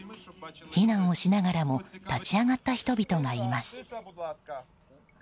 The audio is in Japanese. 避難をしながらも立ち上がった人々がいます。